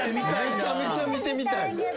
めちゃめちゃ見てみたい。